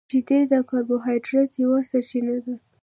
• شیدې د کاربوهایډریټ یوه سرچینه ده.